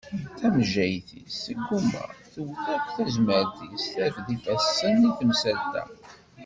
Tamejjayt-is tegguma, tewwet akk s tezmert-is, terfed ifassen i temsalt-a.